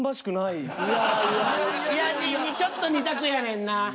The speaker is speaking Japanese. いやちょっと２択やねんな。